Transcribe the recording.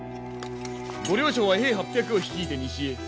ご両所は兵８００を率いて西へ。